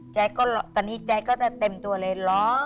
แจ๊ก็ตอนนี้แจ๊กก็จะเต็มตัวเลยร้อง